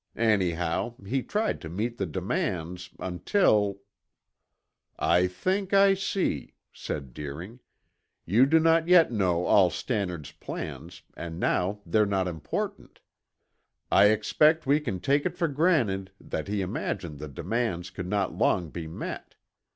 Anyhow, he tried to meet the demands, until " "I think I see," said Deering. "You do not yet know all Stannard's plans and now they're not important. I expect we can take it for granted that he imagined the demands could not long be met.